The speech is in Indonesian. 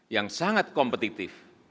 yang sangat kompetitif